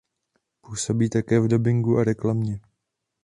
Působí také v dabingu a reklamě.